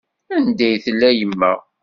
Anda i tella yemma?